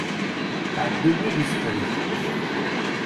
Ɛeddi nnig isefreg.